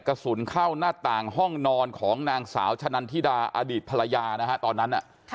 กระสุนเข้าหน้าต่างห้องนอนของนางสาวชะนันทิดาอดีตภรรยานะฮะตอนนั้น